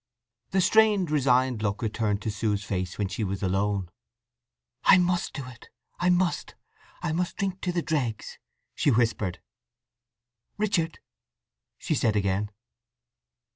The strained, resigned look returned to Sue's face when she was alone. "I must do it—I must! I must drink to the dregs!" she whispered. "Richard!" she said again.